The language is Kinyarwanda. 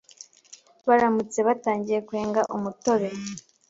Baramutse batangiye kwenga umutobe,